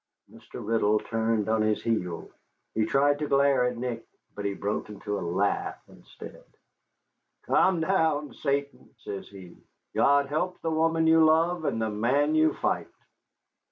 Mr. Riddle turned on his heel. He tried to glare at Nick, but he broke into a laugh instead. "Come down, Satan," says he. "God help the woman you love and the man you fight."